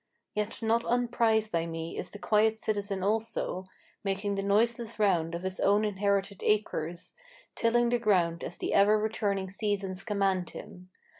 Yet not unprized by me is the quiet citizen also, Making the noiseless round of his own inherited acres, Tilling the ground as the ever returning seasons command him.